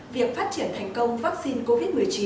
việc phát triển thành công vắc xin covid một mươi chín